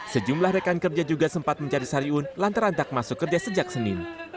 sejumlah rekan kerja juga sempat mencari sariun lantaran tak masuk kerja sejak senin